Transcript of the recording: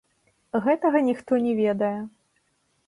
Гэтага ніхто не ведае.